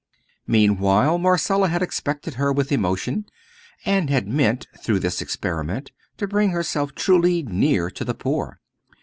Meanwhile Marcella had expected her with emotion, and had meant through this experiment to bring herself truly near to the poor.